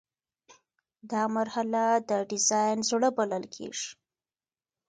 دا مرحله د ډیزاین زړه بلل کیږي.